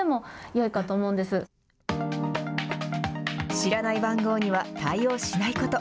知らない番号には対応しないこと。